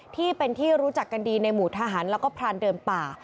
ที่เป็นที่รู้จักกันดีในหมู่ทหารแล้วก็พรานเดิมป่า